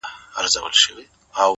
عجيب ساز په سمندر کي را ايسار دی!